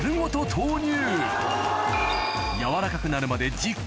投入